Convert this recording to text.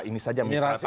ini saja mitra tangga kita